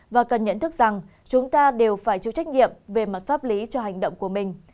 và cần nhận thức rằng chúng ta đều phải chịu trách nhiệm về mặt pháp lý cho hành động của mình